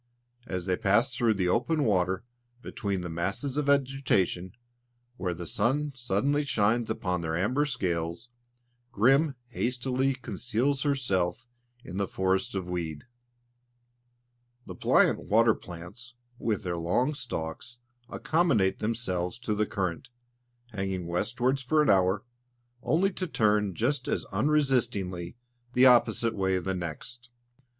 As they pass through the open water, between the masses of vegetation, where the sun suddenly shines upon their amber scales, Grim hastily conceals herself in the forest of weed. The pliant water plants, with their long stalks, accommodate themselves to the current, hanging westwards for an hour, only to turn just as unresistingly the opposite way the next.